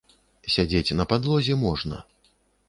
Сядзець на падлозе можна.